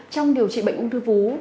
trong điều trị bệnh ung tư vú